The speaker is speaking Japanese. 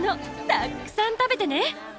たっくさん食べてね。